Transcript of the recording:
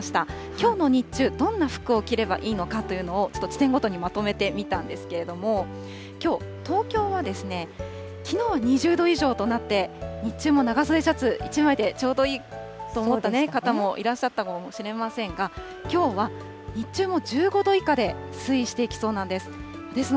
きょうの日中、どんな服を着ればいいのかというのを、ちょっと地点ごとにまとめてみたんですけれども、きょう、東京はですね、きのうは２０度以上となって、日中も長袖シャツ１枚でちょうどいいと思った方もいらっしゃったかもしれませんが、きょうは日中も１５度以下で、推移していきそうなんです。